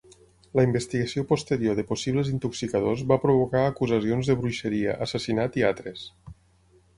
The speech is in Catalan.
La investigació posterior de possibles intoxicadors va provocar acusacions de bruixeria, assassinat i altres.